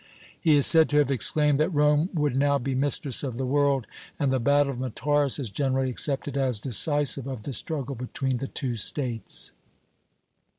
He is said to have exclaimed that Rome would now be mistress of the world; and the battle of Metaurus is generally accepted as decisive of the struggle between the two States.